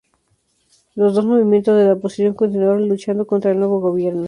Los dos movimientos de la oposición continuaron luchando contra el nuevo gobierno.